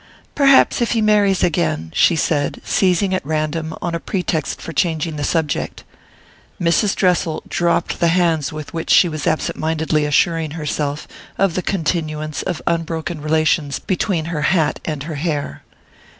"Perhaps if he marries again " she said, seizing at random on a pretext for changing the subject. Mrs. Dressel dropped the hands with which she was absent mindedly assuring herself of the continuance of unbroken relations between her hat and her hair.